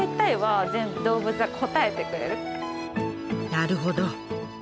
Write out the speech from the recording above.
なるほど。